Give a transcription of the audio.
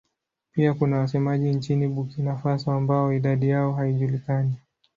Pia kuna wasemaji nchini Burkina Faso ambao idadi yao haijulikani.